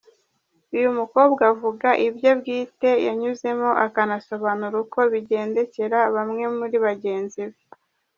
Uyu mukobwa avuga ibye bwite yanyuzemo akanasobanura uko bigendekera bamwe muri bagenzi be.